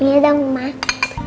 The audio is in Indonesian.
ini ada emak